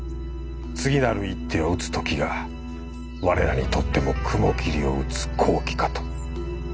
次なる一手を打つ時が我らにとっても雲霧を討つ好機かと。